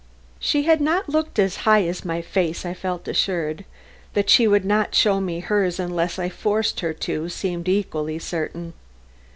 That she had not looked as high as my face I felt assured; that she would not show me hers unless I forced her to seemed equally certain.